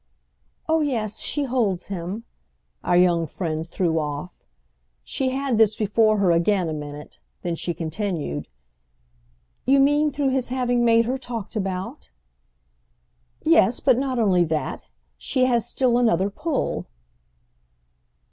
"Oh yes, she holds him!" our young friend threw off. She had this before her again a minute; then she continued: "You mean through his having made her talked about?" "Yes, but not only that. She has still another pull."